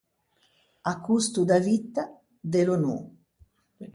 À costo da vitta, de l’önô.